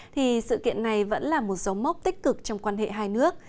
thì sự kiện này vẫn là một dấu mốc tích cực trong quan hệ hai nước